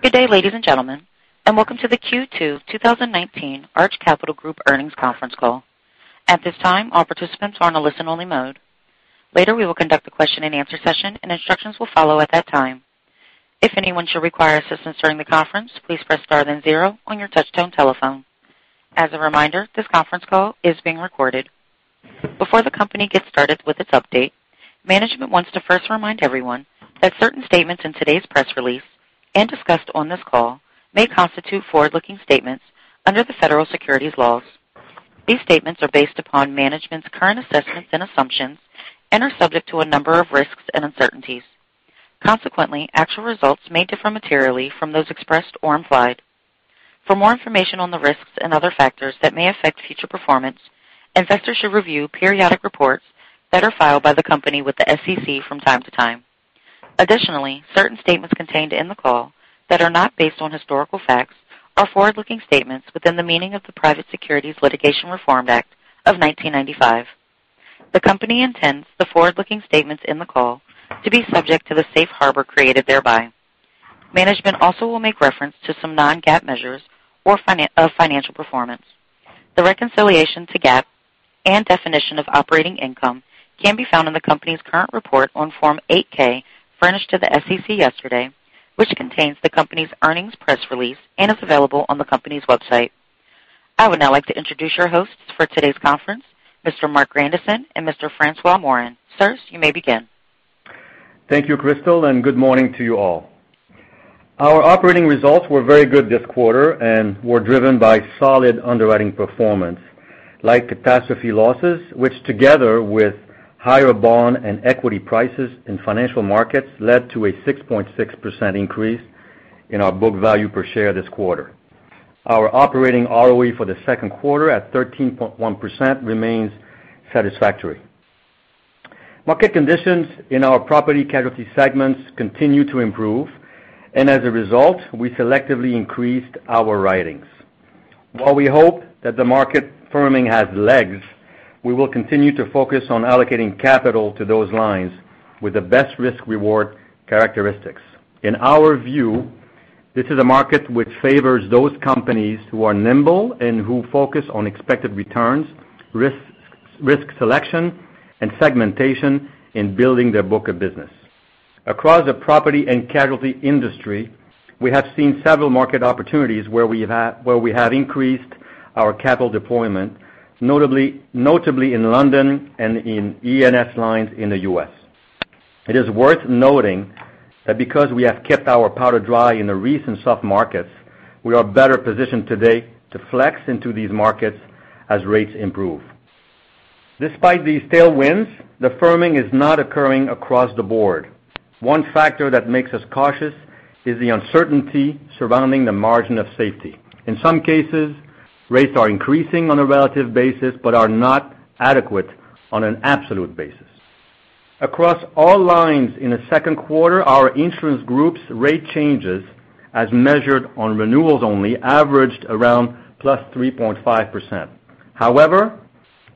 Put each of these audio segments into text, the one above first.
Good day, ladies and gentlemen, welcome to the Q2 2019 Arch Capital Group earnings conference call. At this time, all participants are in a listen-only mode. Later, we will conduct a question and answer session. Instructions will follow at that time. If anyone should require assistance during the conference, please press star then zero on your touchtone telephone. As a reminder, this conference call is being recorded. Before the company gets started with its update, management wants to first remind everyone that certain statements in today's press release discussed on this call may constitute forward-looking statements under the federal securities laws. These statements are based upon management's current assessments and assumptions and are subject to a number of risks and uncertainties. Consequently, actual results may differ materially from those expressed or implied. For more information on the risks and other factors that may affect future performance, investors should review periodic reports that are filed by the company with the SEC from time to time. Additionally, certain statements contained in the call that are not based on historical facts are forward-looking statements within the meaning of the Private Securities Litigation Reform Act of 1995. The company intends the forward-looking statements in the call to be subject to the safe harbor created thereby. Management also will make reference to some non-GAAP measures of financial performance. The reconciliation to GAAP and definition of operating income can be found in the company's current report on Form 8-K furnished to the SEC yesterday, which contains the company's earnings press release and is available on the company's website. I would now like to introduce your hosts for today's conference, Mr. Marc Grandisson and Mr. François Morin. Sirs, you may begin. Thank you, Crystal. Good morning to you all. Our operating results were very good this quarter. Were driven by solid underwriting performance, like catastrophe losses, which together with higher bond and equity prices in financial markets, led to a 6.6% increase in our book value per share this quarter. Our operating ROE for the second quarter at 13.1% remains satisfactory. Market conditions in our property-casualty segments continue to improve. As a result, we selectively increased our writings. While we hope that the market firming has legs, we will continue to focus on allocating capital to those lines with the best risk-reward characteristics. In our view, this is a market which favors those companies who are nimble and who focus on expected returns, risk selection, and segmentation in building their book of business. Across the property and casualty industry, we have seen several market opportunities where we have increased our capital deployment, notably in London and in E&S lines in the U.S. It is worth noting that because we have kept our powder dry in the recent soft markets, we are better positioned today to flex into these markets as rates improve. Despite these tailwinds, the firming is not occurring across the board. One factor that makes us cautious is the uncertainty surrounding the margin of safety. In some cases, rates are increasing on a relative basis but are not adequate on an absolute basis. Across all lines in the second quarter, our insurance group's rate changes as measured on renewals only averaged around plus 3.5%. However,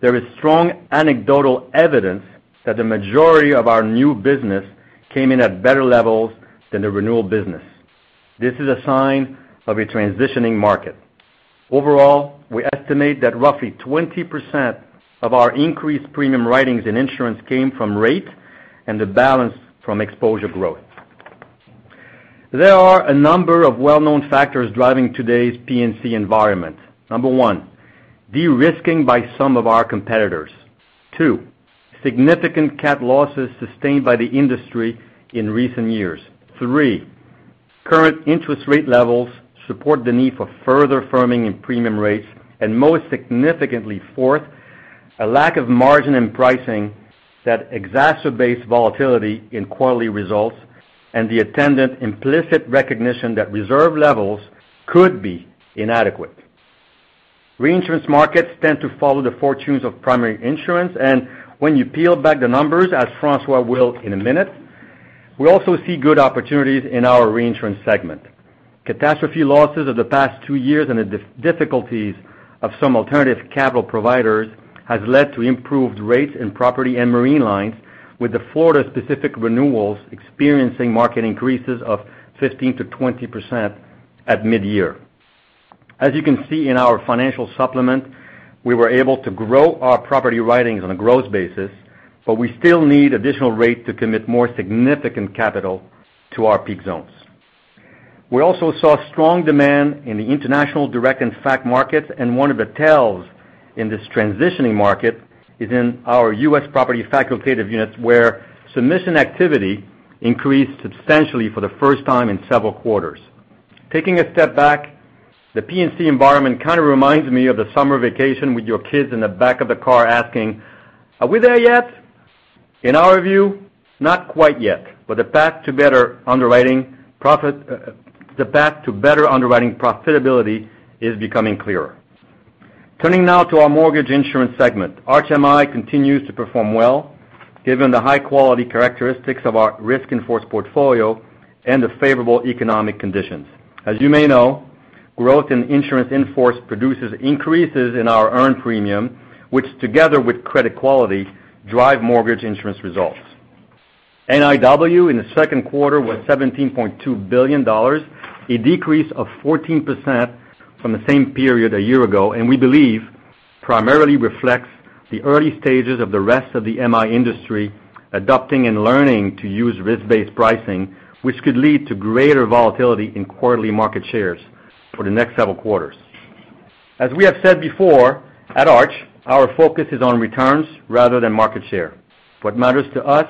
there is strong anecdotal evidence that the majority of our new business came in at better levels than the renewal business. This is a sign of a transitioning market. Overall, we estimate that roughly 20% of our increased premium writings in insurance came from rate and the balance from exposure growth. There are a number of well-known factors driving today's P&C environment. Number one, de-risking by some of our competitors. Two, significant cat losses sustained by the industry in recent years. Three, current interest rate levels support the need for further firming in premium rates, and most significantly, four, a lack of margin in pricing that exacerbates volatility in quarterly results and the attendant implicit recognition that reserve levels could be inadequate. Reinsurance markets tend to follow the fortunes of primary insurance, and when you peel back the numbers, as François will in a minute, we also see good opportunities in our reinsurance segment. Catastrophe losses of the past two years and the difficulties of some alternative capital providers has led to improved rates in property and marine lines with the Florida specific renewals experiencing market increases of 15%-20% at midyear. As you can see in our financial supplement, we were able to grow our property writings on a gross basis, but we still need additional rate to commit more significant capital to our peak zones. We also saw strong demand in the international direct and FAC markets, and one of the tells in this transitioning market is in our U.S. property facultative units, where submission activity increased substantially for the first time in several quarters. Taking a step back, the P&C environment kind of reminds me of the summer vacation with your kids in the back of the car asking, "Are we there yet?" In our view, not quite yet, but the path to better underwriting profitability is becoming clearer. Turning now to our mortgage insurance segment. Arch MI continues to perform well given the high-quality characteristics of our risk and force portfolio and the favorable economic conditions. As you may know, growth in insurance in force produces increases in our earned premium, which together with credit quality, drive mortgage insurance results. NIW in the second quarter was $17.2 billion, a decrease of 14% from the same period a year ago, and we believe primarily reflects the early stages of the rest of the MI industry adopting and learning to use risk-based pricing, which could lead to greater volatility in quarterly market shares for the next several quarters. As we have said before, at Arch, our focus is on returns rather than market share. What matters to us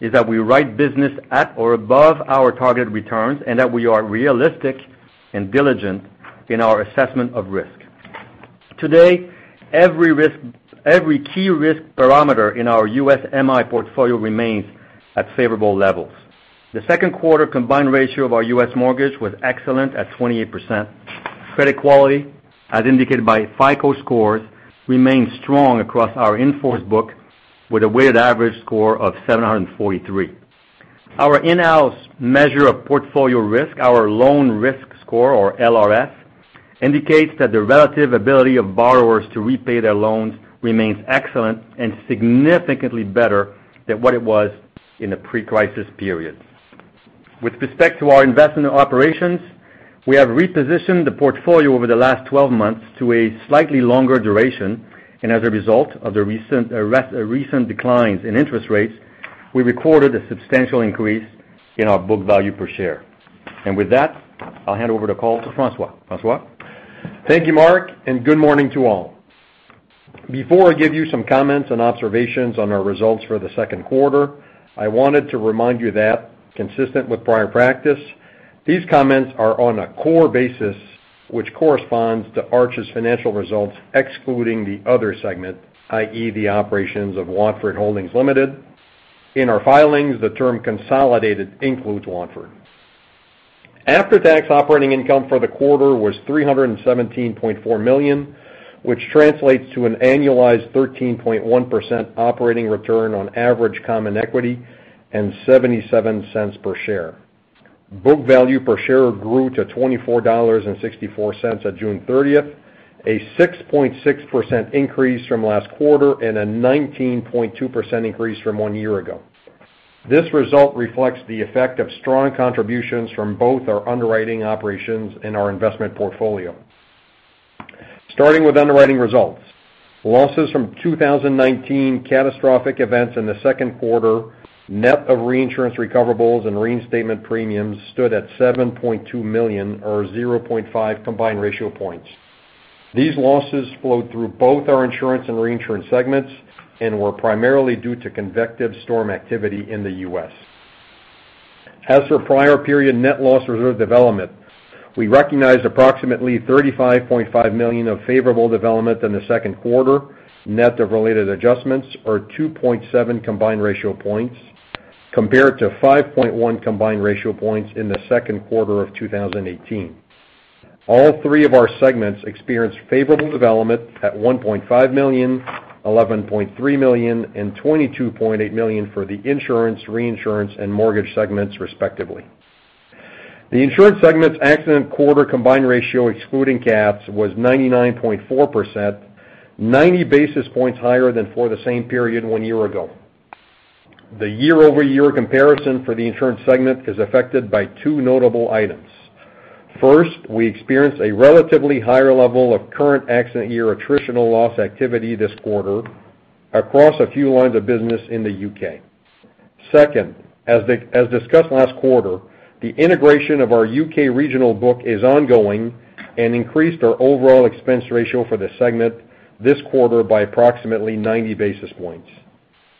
is that we write business at or above our target returns, and that we are realistic and diligent in our assessment of risk. Today, every key risk parameter in our U.S. MI portfolio remains at favorable levels. The second quarter combined ratio of our U.S. mortgage was excellent at 28%. Credit quality, as indicated by FICO scores, remains strong across our in-force book with a weighted average score of 743. Our in-house measure of portfolio risk, our loan risk score or LRS, indicates that the relative ability of borrowers to repay their loans remains excellent and significantly better than what it was in the pre-crisis period. With respect to our investment operations, we have repositioned the portfolio over the last 12 months to a slightly longer duration. As a result of the recent declines in interest rates, we recorded a substantial increase in our book value per share. With that, I'll hand over the call to François. François? Thank you, Marc, and good morning to all. Before I give you some comments and observations on our results for the second quarter, I wanted to remind you that consistent with prior practice, these comments are on a core basis, which corresponds to Arch's financial results excluding the other segment, i.e., the operations of Watford Holdings Ltd.. In our filings, the term consolidated includes Watford. After-tax operating income for the quarter was $317.4 million, which translates to an annualized 13.1% operating return on average common equity and $0.77 per share. Book value per share grew to $24.64 at June 30th, a 6.6% increase from last quarter and a 19.2% increase from one year ago. This result reflects the effect of strong contributions from both our underwriting operations and our investment portfolio. Starting with underwriting results. Losses from 2019 catastrophic events in the second quarter, net of reinsurance recoverables and reinstatement premiums stood at $7.2 million or 0.5 combined ratio points. As for prior period net loss reserve development, we recognized approximately $35.5 million of favorable development in the second quarter, net of related adjustments are 2.7 combined ratio points, compared to 5.1 combined ratio points in the second quarter of 2018. All three of our segments experienced favorable development at $1.5 million, $11.3 million, and $22.8 million for the insurance, reinsurance, and mortgage segments, respectively. The insurance segment's accident quarter combined ratio excluding cats was 99.4%, 90 basis points higher than for the same period one year ago. The year-over-year comparison for the insurance segment is affected by two notable items. First, we experienced a relatively higher level of current accident year attritional loss activity this quarter across a few lines of business in the U.K. Second, as discussed last quarter, the integration of our U.K. regional book is ongoing and increased our overall expense ratio for the segment this quarter by approximately 90 basis points.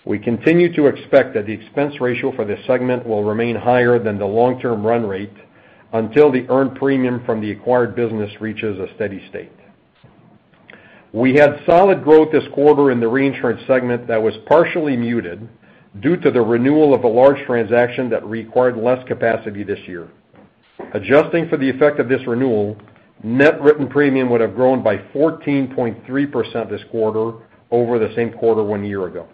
We continue to expect that the expense ratio for this segment will remain higher than the long-term run rate until the earned premium from the acquired business reaches a steady state. We had solid growth this quarter in the reinsurance segment that was partially muted due to the renewal of a large transaction that required less capacity this year. Adjusting for the effect of this renewal, net written premium would have grown by 14.3% this quarter over the same quarter one year ago.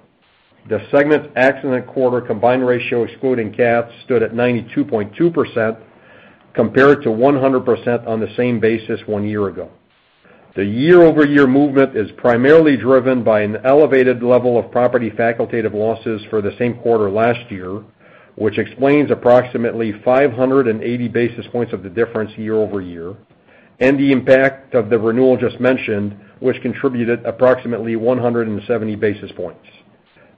The segment's accident quarter combined ratio excluding CATs stood at 92.2% compared to 100% on the same basis one year ago. The year-over-year movement is primarily driven by an elevated level of property facultative losses for the same quarter last year, which explains approximately 580 basis points of the difference year-over-year, and the impact of the renewal just mentioned, which contributed approximately 170 basis points.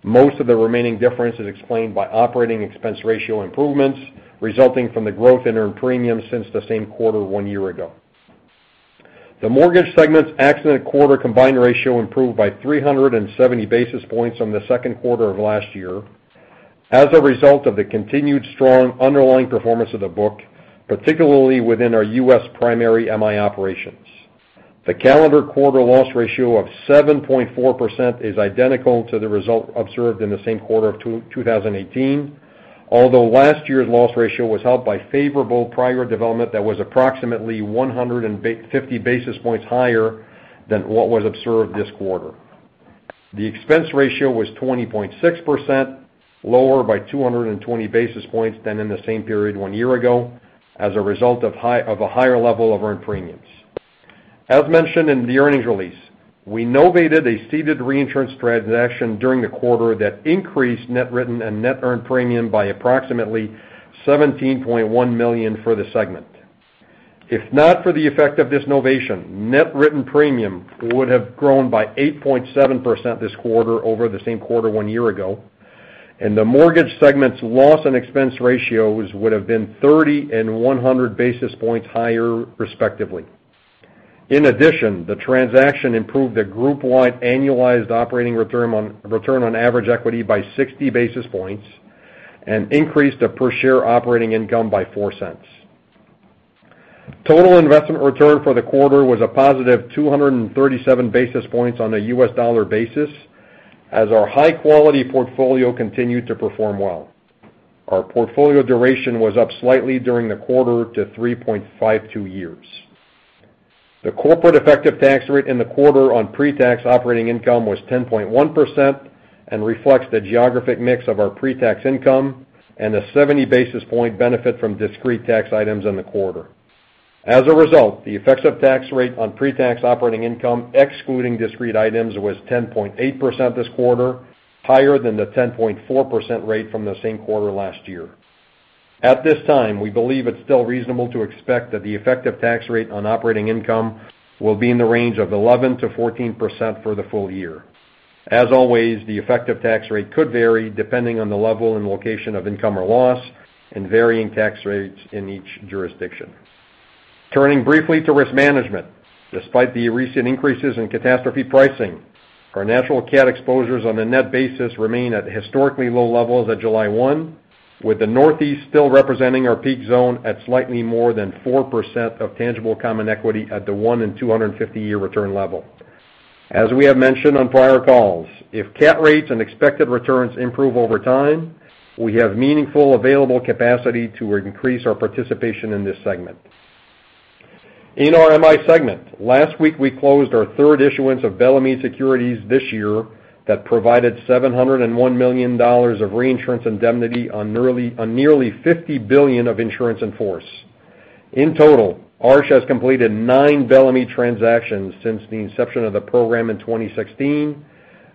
Most of the remaining difference is explained by operating expense ratio improvements resulting from the growth in earned premium since the same quarter one year ago. The mortgage segment's accident quarter combined ratio improved by 370 basis points from the second quarter of last year as a result of the continued strong underlying performance of the book, particularly within our U.S. primary MI operations. The calendar quarter loss ratio of 7.4% is identical to the result observed in the same quarter of 2018, although last year's loss ratio was helped by favorable prior development that was approximately 150 basis points higher than what was observed this quarter. The expense ratio was 20.6%, lower by 220 basis points than in the same period one year ago, as a result of a higher level of earned premiums. As mentioned in the earnings release, we novated a ceded reinsurance transaction during the quarter that increased net written and net earned premium by approximately $17.1 million for the segment. If not for the effect of this novation, net written premium would have grown by 8.7% this quarter over the same quarter one year ago, and the mortgage segment's loss and expense ratios would have been 30 and 100 basis points higher, respectively. In addition, the transaction improved the group-wide annualized operating return on average equity by 60 basis points and increased the per-share operating income by $0.04. Total investment return for the quarter was a positive 237 basis points on a U.S. dollar basis, as our high-quality portfolio continued to perform well. Our portfolio duration was up slightly during the quarter to 3.52 years. The corporate effective tax rate in the quarter on pre-tax operating income was 10.1% and reflects the geographic mix of our pre-tax income and a 70 basis point benefit from discrete tax items in the quarter. As a result, the effective tax rate on pre-tax operating income, excluding discrete items, was 10.8% this quarter, higher than the 10.4% rate from the same quarter last year. At this time, we believe it's still reasonable to expect that the effective tax rate on operating income will be in the range of 11%-14% for the full year. As always, the effective tax rate could vary depending on the level and location of income or loss and varying tax rates in each jurisdiction. Turning briefly to risk management. Despite the recent increases in catastrophe pricing, our natural cat exposures on a net basis remain at historically low levels at July 1, with the Northeast still representing our peak zone at slightly more than 4% of tangible common equity at the one in 250 year return level. As we have mentioned on prior calls, if cat rates and expected returns improve over time, we have meaningful available capacity to increase our participation in this segment. In our MI segment, last week, we closed our third issuance of Bellemeade securities this year that provided $701 million of reinsurance indemnity on nearly $50 billion of insurance in force. In total, Arch has completed nine Bellemeade transactions since the inception of the program in 2016,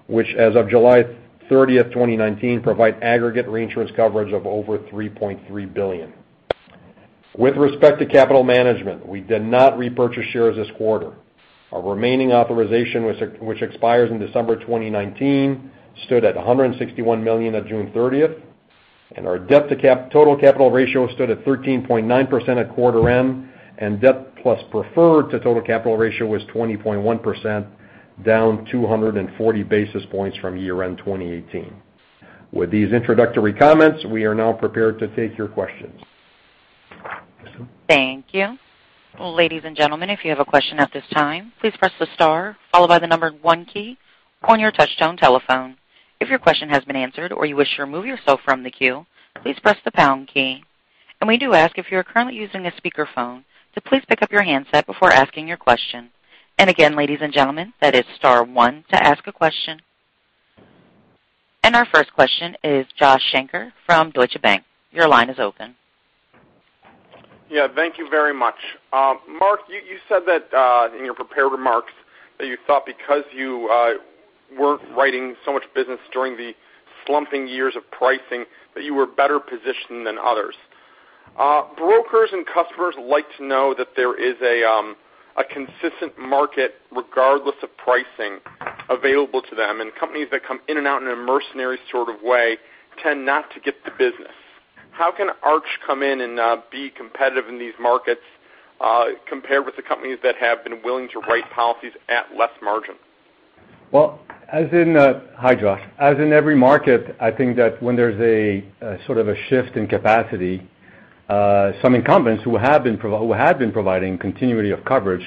which as of July 30, 2019, provide aggregate reinsurance coverage of over $3.3 billion. With respect to capital management, we did not repurchase shares this quarter. Our remaining authorization, which expires in December 2019, stood at $161 million on June 30, and our debt to total capital ratio stood at 13.9% at quarter end, and debt plus preferred to total capital ratio was 20.1%, down 240 basis points from year-end 2018. With these introductory comments, we are now prepared to take your questions. Thank you. Ladies and gentlemen, if you have a question at this time, please press the star followed by the number one key on your touchtone telephone. If your question has been answered or you wish to remove yourself from the queue, please press the pound key. We do ask, if you're currently using a speakerphone, to please pick up your handset before asking your question. Again, ladies and gentlemen, that is star one to ask a question. Our first question is Joshua Shanker from Deutsche Bank. Your line is open. Thank you very much. Marc, you said that in your prepared remarks that you thought because you weren't writing so much business during the slumping years of pricing, that you were better positioned than others. Brokers and customers like to know that there is a consistent market regardless of pricing available to them, and companies that come in and out in a mercenary sort of way tend not to get the business. How can Arch come in and be competitive in these markets compared with the companies that have been willing to write policies at less margin? Hi, Josh. As in every market, I think that when there's a sort of a shift in capacity, some incumbents who have been providing continuity of coverage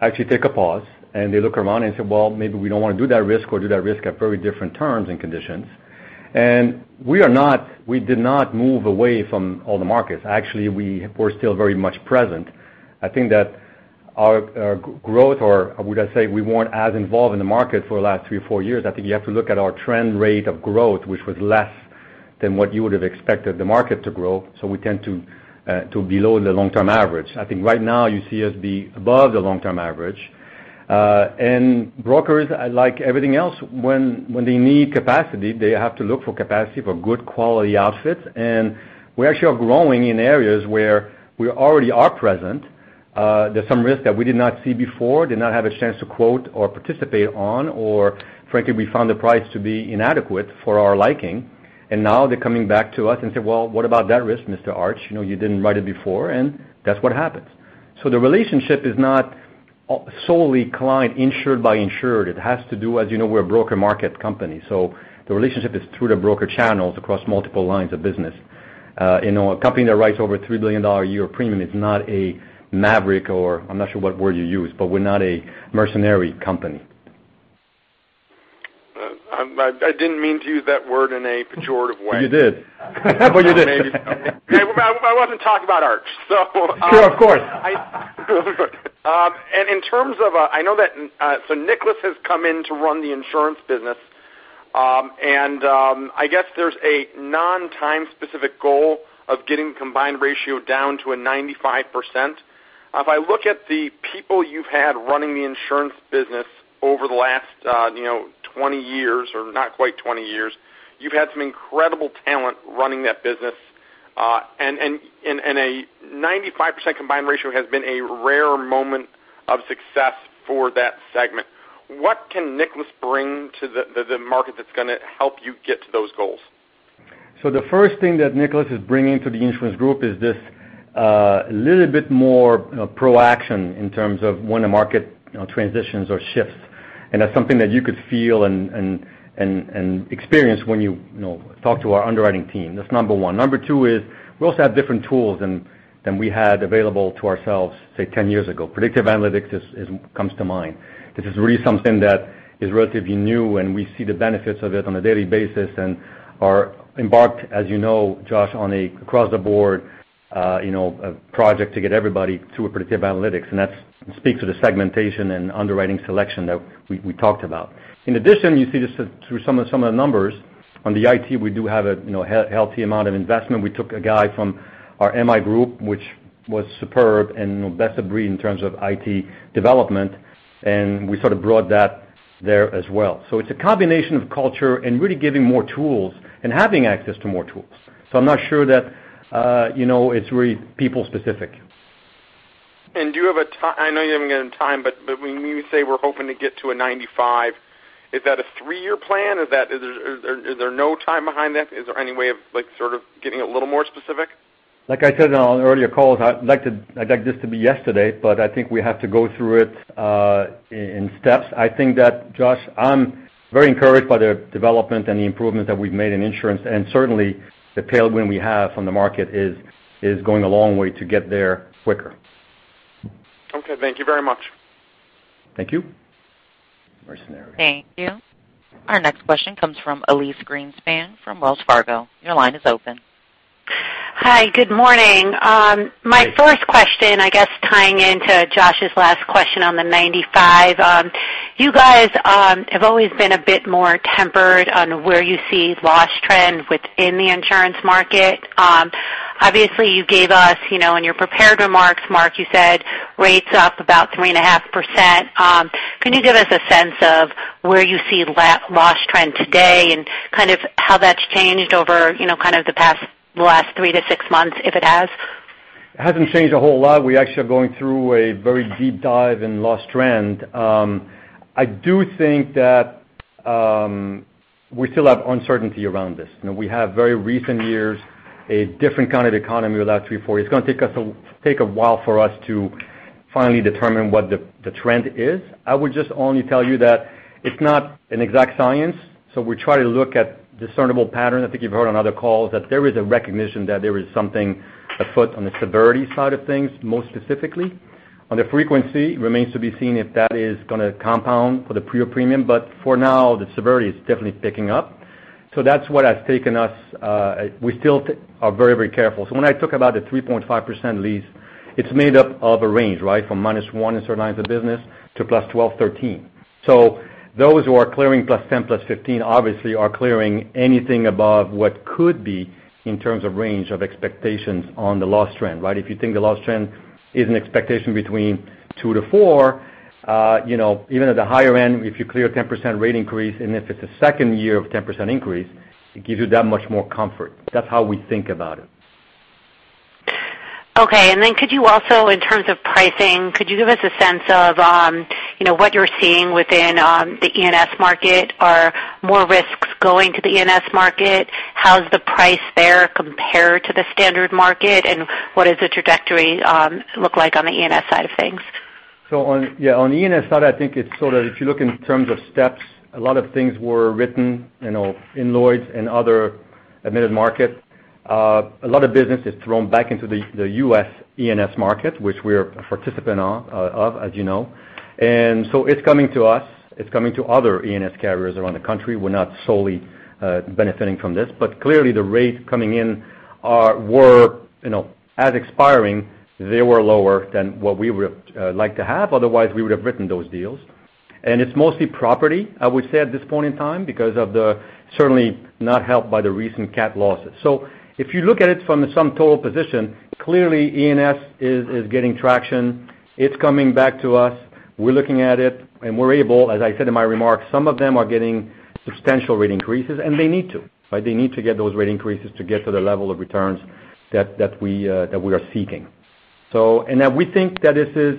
actually take a pause, and they look around and say, "Well, maybe we don't want to do that risk or do that risk at very different terms and conditions." We did not move away from all the markets. Actually, we're still very much present. I think that our growth, or would I say we weren't as involved in the market for the last 3 or 4 years, I think you have to look at our trend rate of growth, which was less than what you would have expected the market to grow. We tend to below the long-term average. I think right now you see us be above the long-term average. Brokers are like everything else. When they need capacity, they have to look for capacity for good quality outfits. We actually are growing in areas where we already are present. There's some risk that we did not see before, did not have a chance to quote or participate on, or frankly, we found the price to be inadequate for our liking, and now they're coming back to us and say, "Well, what about that risk, Mr. Arch? You didn't write it before." That's what happens. The relationship is not solely client insured by insured. It has to do, as you know, we're a broker market company, so the relationship is through the broker channels across multiple lines of business. A company that writes over $3 billion a year of premium is not a maverick, or I'm not sure what word you use, but we're not a mercenary company. I didn't mean to use that word in a pejorative way. You did. You did. I wasn't talking about Arch. Sure. Of course. Nicolas has come in to run the insurance business, and I guess there's a non-time-specific goal of getting combined ratio down to a 95%. If I look at the people you've had running the insurance business over the last 20 years or not quite 20 years, you've had some incredible talent running that business. A 95% combined ratio has been a rare moment of success for that segment. What can Nicolas bring to the market that's going to help you get to those goals? The first thing that Nicolas is bringing to the insurance group is this a little bit more proaction in terms of when the market transitions or shifts. That's something that you could feel and experience when you talk to our underwriting team. That's number one. Number two is we also have different tools than we had available to ourselves, say, 10 years ago. Predictive analytics comes to mind. This is really something that is relatively new, and we see the benefits of it on a daily basis and are embarked, as you know, Josh, on an across-the-board project to get everybody to a predictive analytics. That speaks to the segmentation and underwriting selection that we talked about. In addition, you see this through some of the numbers. On the IT, we do have a healthy amount of investment. We took a guy from our MI group, which was superb and best of breed in terms of IT development. We sort of brought that there as well. It's a combination of culture and really giving more tools and having access to more tools. I'm not sure that it's really people specific. Do you have a ti-- I know you haven't given time, when you say we're hoping to get to a 95, is that a three-year plan? Is there no time behind that? Is there any way of sort of getting a little more specific? Like I said on earlier calls, I'd like this to be yesterday. I think we have to go through it in steps. I think that, Josh, I'm very encouraged by the development and the improvement that we've made in insurance. Certainly the tailwind we have from the market is going a long way to get there quicker. Okay. Thank you very much. Thank you. Mercenary. Thank you. Our next question comes from Elyse Greenspan from Wells Fargo. Your line is open. Hi, good morning. Hi. My first question, I guess tying into Josh's last question on the 95. You guys have always been a bit more tempered on where you see loss trend within the insurance market. Obviously you gave us in your prepared remarks, Marc, you said rates up about 3.5%. Can you give us a sense of where you see loss trend today and kind of how that's changed over kind of the last three to six months, if it has? It hasn't changed a whole lot. We actually are going through a very deep dive in loss trend. I do think that we still have uncertainty around this. We have very recent years, a different kind of economy with the last three, four years. It's going to take a while for us to finally determine what the trend is. I would just only tell you that it's not an exact science, so we try to look at discernible pattern. I think you've heard on other calls that there is a recognition that there is something afoot on the severity side of things, most specifically. On the frequency, remains to be seen if that is going to compound for the pure premium. For now, the severity is definitely picking up. That's what has taken us. We still are very careful. When I talk about the 3.5%, Elyse, it's made up of a range. From minus one in certain lines of business to plus 12, 13. Those who are clearing plus 10, plus 15 obviously are clearing anything above what could be in terms of range of expectations on the loss trend. If you think the loss trend is an expectation between two to four even at the higher end, if you clear a 10% rate increase, and if it's a second year of 10% increase, it gives you that much more comfort. That's how we think about it. Okay. Could you also, in terms of pricing, could you give us a sense of what you're seeing within the E&S market? Are more risks going to the E&S market? How's the price there compared to the standard market? What does the trajectory look like on the E&S side of things? On the E&S side, I think it's sort of if you look in terms of steps, a lot of things were written in Lloyd's and other admitted markets. A lot of business is thrown back into the U.S. E&S market, which we're a participant of, as you know. It's coming to us, it's coming to other E&S carriers around the country. We're not solely benefiting from this, but clearly the rates coming in as expiring, they were lower than what we would like to have. Otherwise, we would have written those deals. It's mostly property, I would say at this point in time, because of the certainly not helped by the recent cat losses. If you look at it from some total position, clearly E&S is getting traction. It's coming back to us. We're looking at it and we're able, as I said in my remarks, some of them are getting substantial rate increases, and they need to. They need to get those rate increases to get to the level of returns that we are seeking. We think that this is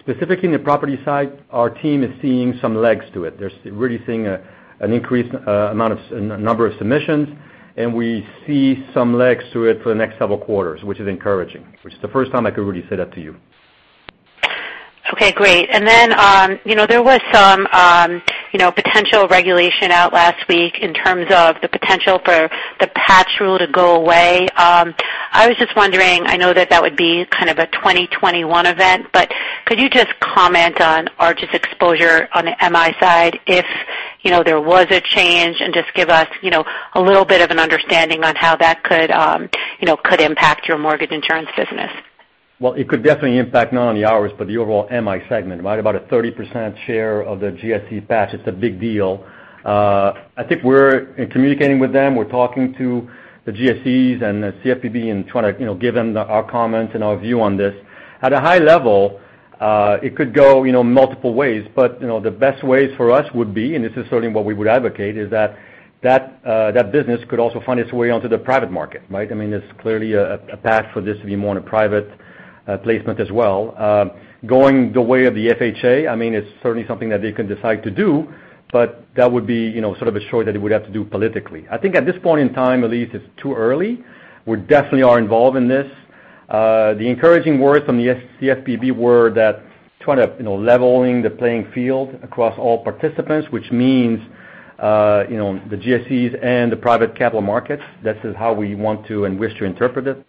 specifically in the property side, our team is seeing some legs to it. They're really seeing an increased number of submissions, and we see some legs to it for the next several quarters, which is encouraging, which is the first time I could really say that to you. Okay, great. There was some potential regulation out last week in terms of the potential for the patch rule to go away. I was just wondering, I know that that would be kind of a 2021 event, but could you just comment on Arch's exposure on the MI side if- There was a change, and just give us a little bit of an understanding on how that could impact your mortgage insurance business. Well, it could definitely impact not only ours, but the overall MI segment, right? About a 30% share of the GSE patch. It's a big deal. I think we're communicating with them. We're talking to the GSEs and the CFPB and trying to give them our comments and our view on this. At a high level, it could go multiple ways. The best ways for us would be, and this is certainly what we would advocate, is that business could also find its way onto the private market, right? There's clearly a path for this to be more in a private placement as well. Going the way of the FHA, it's certainly something that they can decide to do, but that would be sort of a show that it would have to do politically. I think at this point in time, Elyse, it's too early. We definitely are involved in this. The encouraging words from the CFPB were that leveling the playing field across all participants, which means the GSEs and the private capital markets. That is how we want to and wish to interpret it.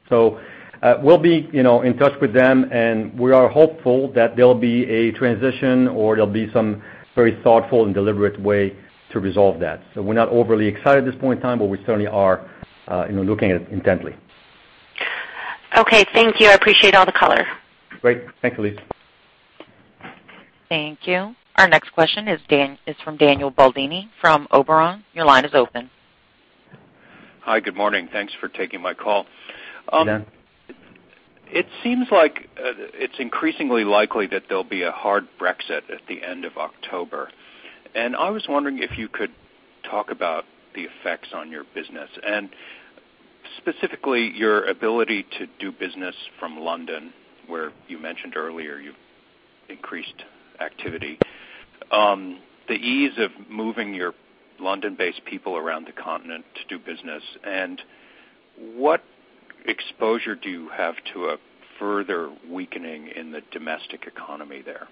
We'll be in touch with them, and we are hopeful that there'll be a transition or there'll be some very thoughtful and deliberate way to resolve that. We're not overly excited at this point in time, but we certainly are looking at it intently. Okay. Thank you. I appreciate all the color. Great. Thanks, Elyse. Thank you. Our next question is from Daniel Baldini from Oberon. Your line is open. Hi. Good morning. Thanks for taking my call. Yeah. It seems like it's increasingly likely that there will be a hard Brexit at the end of October, and I was wondering if you could talk about the effects on your business, and specifically your ability to do business from London, where you mentioned earlier you've increased activity. The ease of moving your London-based people around the continent to do business, and what exposure do you have to a further weakening in the domestic economy there?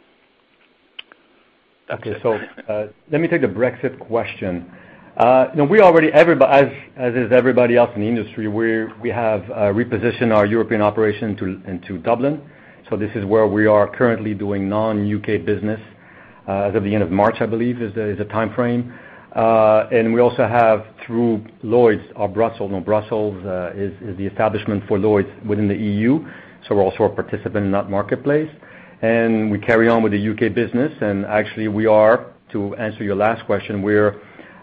Okay. Let me take the Brexit question. We already, as is everybody else in the industry, we have repositioned our European operation into Dublin. This is where we are currently doing non-U.K. business, as of the end of March, I believe, is the timeframe. We also have through Lloyd's or Brussels. Brussels is the establishment for Lloyd's within the EU, so we're also a participant in that marketplace. We carry on with the U.K. business, and actually we are, to answer your last question, we're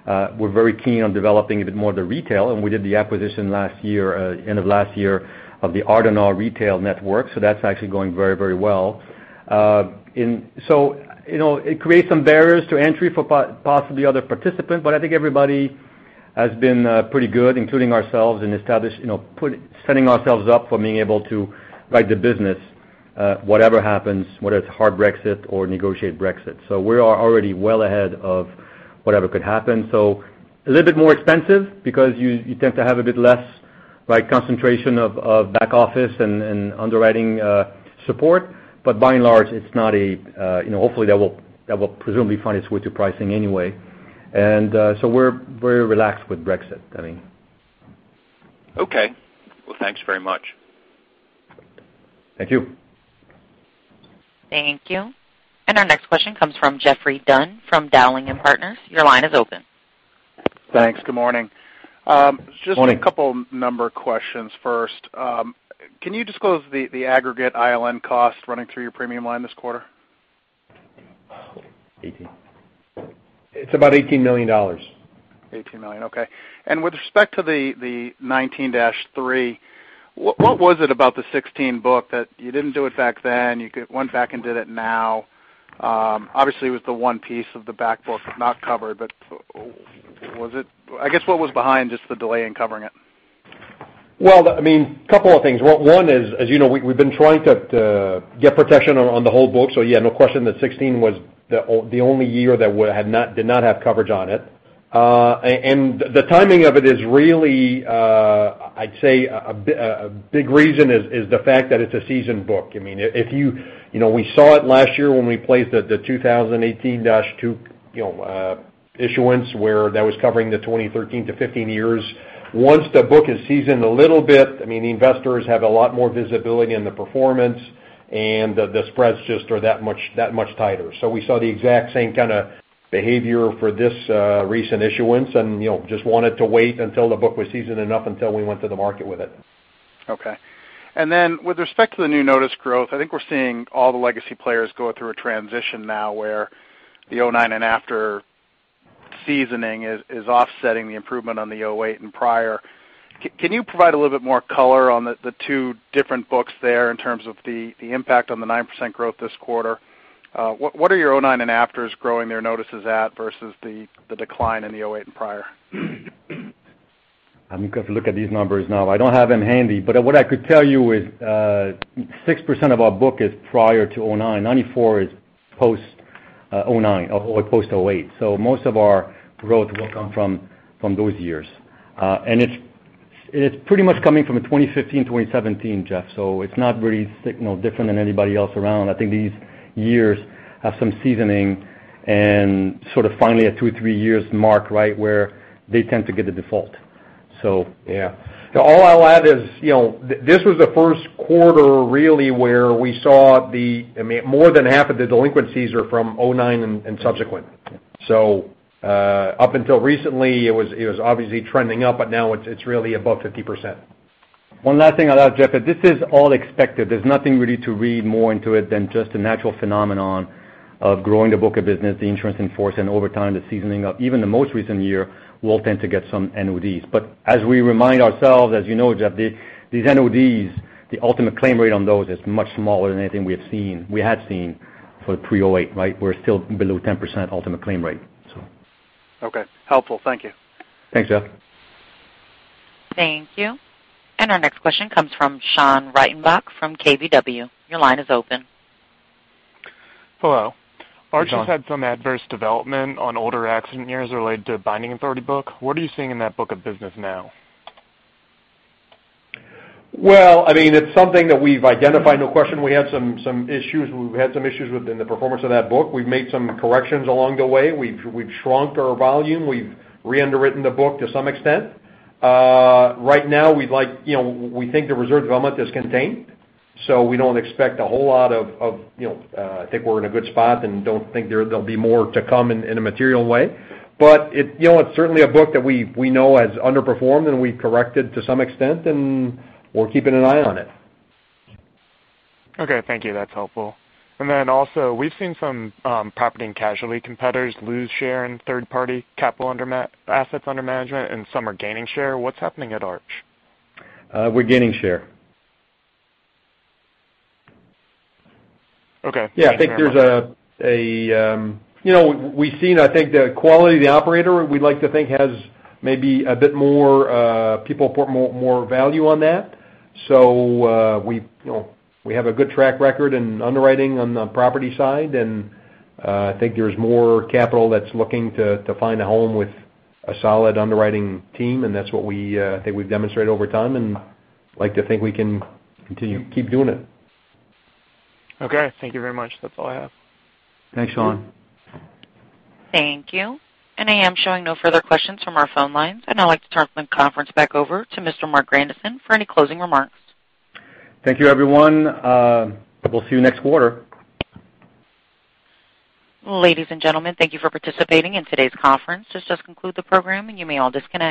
very keen on developing a bit more of the retail, and we did the acquisition end of last year of the Ardonagh retail network. That's actually going very well. It creates some barriers to entry for possibly other participants, but I think everybody has been pretty good, including ourselves, in setting ourselves up for being able to write the business, whatever happens, whether it's hard Brexit or negotiated Brexit. We are already well ahead of whatever could happen. A little bit more expensive because you tend to have a bit less concentration of back office and underwriting support. By and large, hopefully that will presumably find its way to pricing anyway. We're very relaxed with Brexit. Okay. Well, thanks very much. Thank you. Thank you. Our next question comes from Geoffrey Dunn from Dowling & Partners. Your line is open. Thanks. Good morning. Morning. Just a couple number questions first. Can you disclose the aggregate ILN cost running through your premium line this quarter? 18. It's about $18 million. $18 million. Okay. With respect to the 19-3, what was it about the 2016 book that you didn't do it back then? You went back and did it now. Obviously, it was the one piece of the back book not covered, I guess what was behind just the delay in covering it? Well, a couple of things. One is, as you know, we've been trying to get protection on the whole book. Yeah, no question that 2016 was the only year that did not have coverage on it. The timing of it is really, I'd say a big reason is the fact that it's a seasoned book. We saw it last year when we placed the 2018-2 issuance where that was covering the 2013 to 2015 years. Once the book is seasoned a little bit, the investors have a lot more visibility in the performance, the spreads just are that much tighter. We saw the exact same kind of behavior for this recent issuance and just wanted to wait until the book was seasoned enough until we went to the market with it. Okay. Then with respect to the new notice growth, I think we're seeing all the legacy players go through a transition now where the 2009 and after seasoning is offsetting the improvement on the 2008 and prior. Can you provide a little bit more color on the two different books there in terms of the impact on the 9% growth this quarter? What are your 2009 and afters growing their notices at versus the decline in the 2008 and prior? I'm going to have to look at these numbers now. I don't have them handy, but what I could tell you is 6% of our book is prior to 2009. 94% is post 2009 or post 2008. Most of our growth will come from those years. It's pretty much coming from a 2015, 2017, Jeff. It's not really different than anybody else around. I think these years have some seasoning and sort of finally a two, three years mark where they tend to get a default. Yeah. All I'll add is, this was the first quarter really where we saw more than half of the delinquencies are from 2009 and subsequent. Up until recently, it was obviously trending up, but now it's really above 50%. One last thing I'll add, Jeff, that this is all expected. There's nothing really to read more into it than just a natural phenomenon of growing the book of business, the insurance in force, and over time, the seasoning of even the most recent year will tend to get some NODs. As we remind ourselves, as you know, Jeff, these NODs, the ultimate claim rate on those is much smaller than anything we had seen for pre 2008, right? We're still below 10% ultimate claim rate. Okay. Helpful. Thank you. Thanks, Jeff. Thank you. Our next question comes from Sean Reitenbach from KBW. Your line is open. Hello. Sean. Arch has had some adverse development on older accident years related to binding authority book. What are you seeing in that book of business now? Well, it's something that we've identified, no question. We've had some issues within the performance of that book. We've made some corrections along the way. We've shrunk our volume. We've re-underwritten the book to some extent. Right now we think the reserve development is contained. I think we're in a good spot and don't think there'll be more to come in a material way. It's certainly a book that we know has underperformed, and we've corrected to some extent, and we're keeping an eye on it. Okay. Thank you. That's helpful. Then also, we've seen some property and casualty competitors lose share in third party capital assets under management, and some are gaining share. What's happening at Arch? We're gaining share. Okay. Thank you very much. Yeah, I think we've seen, I think the quality of the operator, we like to think has maybe people put more value on that. We have a good track record in underwriting on the property side, and I think there's more capital that's looking to find a home with a solid underwriting team, and that's what we think we've demonstrated over time and like to think we can continue keep doing it. Okay. Thank you very much. That's all I have. Thanks, Sean. Thank you. I am showing no further questions from our phone lines, I'd like to turn the conference back over to Mr. Marc Grandisson for any closing remarks. Thank you, everyone. We'll see you next quarter. Ladies and gentlemen, thank you for participating in today's conference. This does conclude the program, and you may all disconnect.